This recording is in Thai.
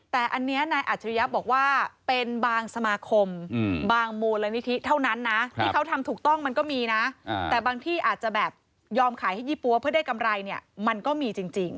แต่อันนี้นายอัจฉริยะบอกว่าเป็นบางสมาคมบางมูลนิธิเท่านั้นนะที่เขาทำถูกต้องมันก็มีนะแต่บางที่อาจจะแบบยอมขายให้ยี่ปั๊วเพื่อได้กำไรเนี่ยมันก็มีจริง